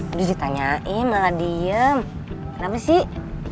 aduh ditanyain gak akan diem kenapa sih